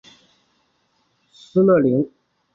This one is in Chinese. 施乐灵。